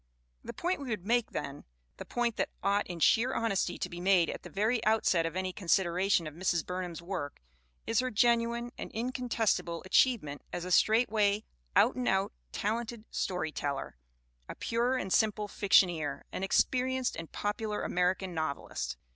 The point we would make, then, the point that ought, in sheer honesty, to be made at the very outset of any consideration of Mrs. Burnham's work, is her genuine and incontestable achievement as a straight way, out and out, talented story teller, a pure and simple fictioneer, an experienced and popular Ameri can novelist.